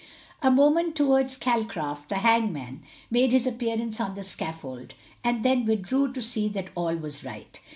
A moment afterwards Calcraft, the hangman, made his appearance on the scaffold, and then withdrew to see that all was right.